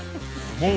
もう。